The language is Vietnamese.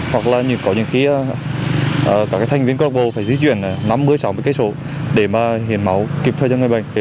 hoặc là có những cái các thành viên câu lạc bộ phải di chuyển năm mươi sáu mươi km để mà hiển máu kịp thời cho người bệnh